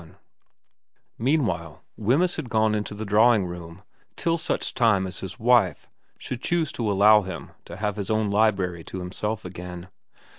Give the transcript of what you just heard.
XXI MEANWHILE Wemyss had gone into the drawing room till such time as his wife should choose to allow him to have his own library to himself again.